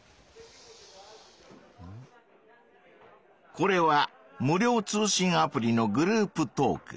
これは無料通信アプリのグループトーク。